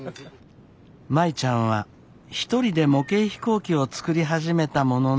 舞ちゃんは１人で模型飛行機を作り始めたものの。